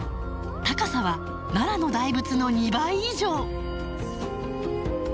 高さは奈良の大仏の２倍以上！